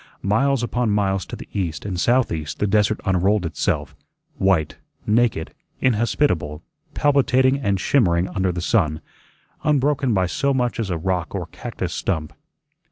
Miles upon miles to the east and southeast the desert unrolled itself, white, naked, inhospitable, palpitating and shimmering under the sun, unbroken by so much as a rock or cactus stump.